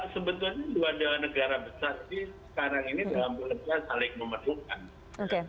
sebetulnya dua dua negara besar sih sekarang ini dalam bekerja saling memerlukan